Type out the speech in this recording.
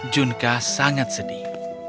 junkka sangat sedih